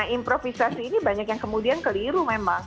improvisasi ini banyak yang kemudian keliru memang